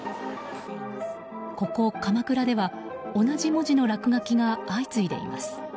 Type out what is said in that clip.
ここ鎌倉では同じ文字の落書きが相次いでいます。